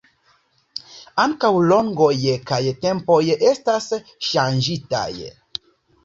Ankaŭ longoj kaj tempoj estas ŝanĝitaj.